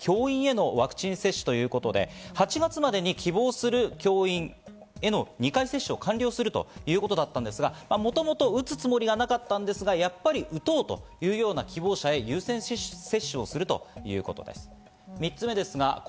８月までに希望する教員への２回接種を完了するということだったんですがもともと打つつもりがなかったんですが、やっぱり打とうという希望者へ優先接種をするということです。